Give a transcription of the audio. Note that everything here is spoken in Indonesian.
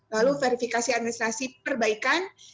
lalu verifikasi administrasi perbaikan